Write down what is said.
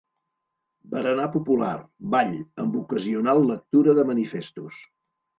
Berenar popular, ball, amb ocasional lectura de manifestos.